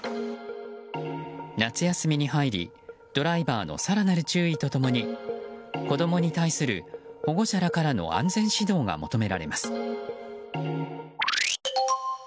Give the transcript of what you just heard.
夏休みに入りドライバーの更なる注意と共に子供に対する保護者らからの安全指導が求められます。